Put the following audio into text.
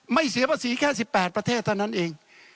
เสียภาษีแค่๑๘ประเทศเท่านั้นเอง